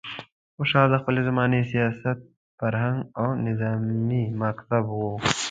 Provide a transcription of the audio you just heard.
خوشحال د خپلې زمانې سیاست، فرهنګ او نظامي مکتب و.